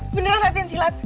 beneran latihan silat